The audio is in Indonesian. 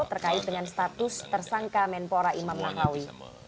terkait dengan status tersangka menpora imam nahrawi